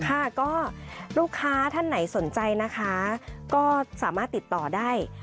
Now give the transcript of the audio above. ค่ะก็ลูกค้าท่านไหนสนใจนะคะก็สามารถติดต่อได้